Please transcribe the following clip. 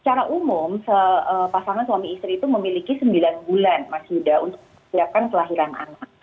cara umum pasangan suami istri itu memiliki sembilan bulan masih sudah untuk memperlihatkan kelahiran anak